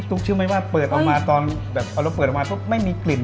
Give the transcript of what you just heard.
ตู้เบิกเอามาของไม่มีกลิ่น